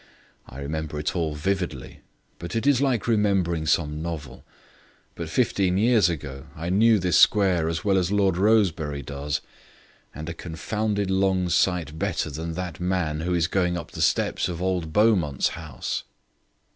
I remember it all vividly, but it is like remembering some novel. But fifteen years ago I knew this square as well as Lord Rosebery does, and a confounded long sight better than that man who is going up the steps of old Beaumont's house."